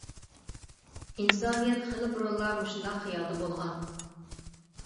ئىنسانىيەت خېلى بۇرۇنلا مۇشۇنداق خىيالدا بولغان.